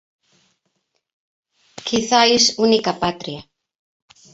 Quizais única patria.